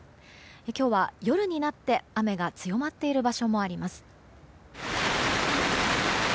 今日は夜になって雨が強まっている場所もあります。